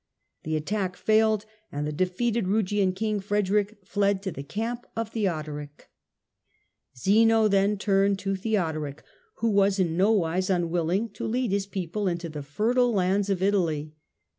The attack failed, and the defeated Eugian king, Frederick, fled to the camp of Theodoric. Theodoric Zeno then turned to Theodoric, who was in nowise in Italy unwilling to lead his people into the fertile lands of Italy.